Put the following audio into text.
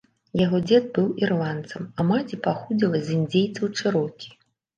Яго дзед быў ірландцам, а маці паходзіла з індзейцаў чэрокі.